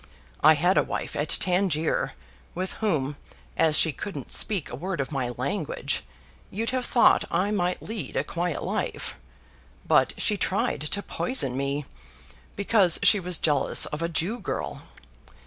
I had a wife at Tangier, with whom, as she couldn't speak a word of my language, you'd have thought I might lead a quiet life. But she tried to poison me, because she was jealous of a Jew girl.